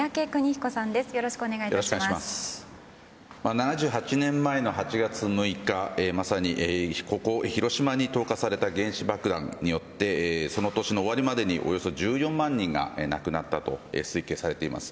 ７８年前の８月６日まさにここ、広島に投下された原子爆弾によってその年の終わりまでにおよそ１４万人が亡くなったと推計されています。